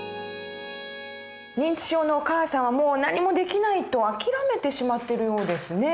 認知症のお母さんをもう何もできないと諦めてしまってるようですね。